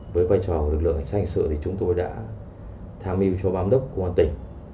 với vai trò của lực lượng hình sự chúng tôi đã tham mưu cho bám đốc công an tỉnh